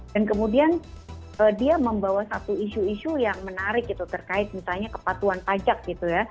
dan kemudian dia membawa satu isu isu yang menarik gitu terkait misalnya kepatuan pajak gitu ya